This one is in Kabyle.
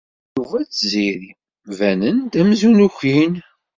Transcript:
Yuba d Tiziri banen-d amzun ukin.